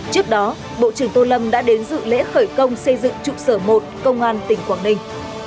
trước đó bộ trưởng tô lâm đã đến dự lễ khởi công xây dựng trụ sở một công an tỉnh quảng ninh